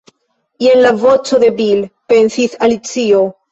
"jen la voĉo de Bil," pensis Alicio.